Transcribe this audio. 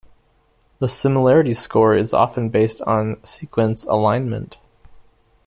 The similarity score is often based on sequence alignment.